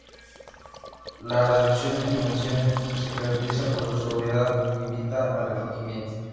De reducidas dimensiones, se caracteriza por su sobriedad, que invita al recogimiento.